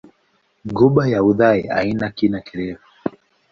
Ghuba ya Uthai haina kina kirefu.